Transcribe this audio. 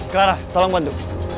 clara tolong bantu